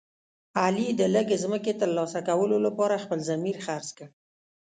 علي د لږ ځمکې تر لاسه کولو لپاره خپل ضمیر خرڅ کړ.